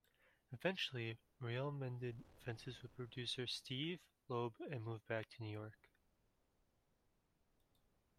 Eventually, Reale mended fences with producer Steve Loeb and moved back to New York.